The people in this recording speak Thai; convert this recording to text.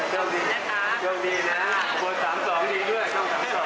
สามสองนี่ด้วยแฮร์นต์ลัดด้วยนะ